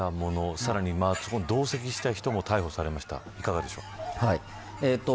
さらに同席した人も逮捕されましたがいかがですか。